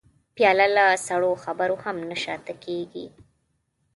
پیاله له سړو خبرو هم نه شا ته کېږي.